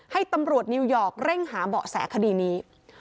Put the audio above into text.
ให้ตำรวจนิวยอร์กเร่งหาเบาะแสคดีนี้